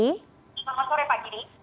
selamat sore pak giri